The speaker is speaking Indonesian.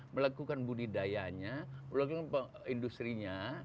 melakukan budidayanya melakukan industri nya